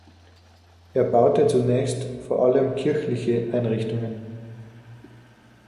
Er baute zunächst vor allem kirchliche Einrichtungen.